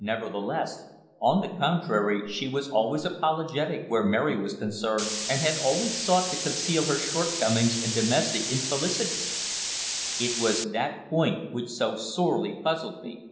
Nevertheless, on the contrary, she was always apologetic where Mary was concerned, and had always sought to conceal her shortcomings and domestic infelicity. It was that point which so sorely puzzled me.